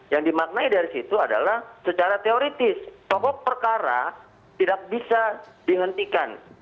yang dimaknai dari situ adalah secara teoritis pokok perkara tidak bisa dihentikan